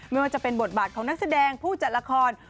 ไม่ว่าจะเป็นบทบาทของนักแสดงผู้จัดละคร